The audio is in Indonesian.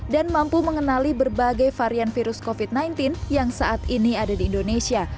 mampu mengenali berbagai varian virus covid sembilan belas yang saat ini ada di indonesia